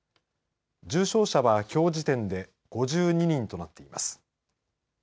重症者は、きょう時点で５２人となっています。